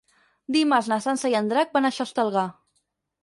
Dimarts na Sança i en Drac van a Xestalgar.